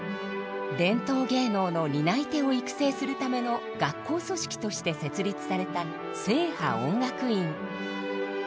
伝統芸能の担い手を育成するための学校組織として設立された正派音楽院。